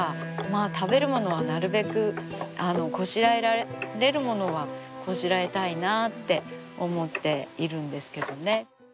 食べるものはなるべくこしらえられるものはこしらえたいなあって思っているんですけどね。